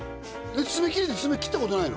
爪切りで爪切ったことないの？